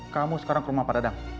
kamu sekarang ke rumah pak dadang